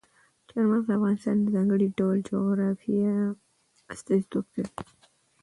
چار مغز د افغانستان د ځانګړي ډول جغرافیه استازیتوب کوي.